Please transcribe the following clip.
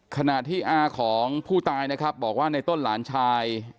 ขณะที่อาของผู้ตายนะครับบอกว่าในต้นหลานชาย